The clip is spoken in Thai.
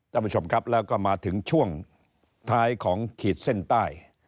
ท่านผู้ชมครับแล้วก็มาถึงช่วงท้ายของขีดเส้นใต้